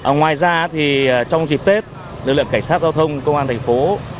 ngoài ra thì trong dịp tết lực lượng cảnh sát giao thông công an thành phố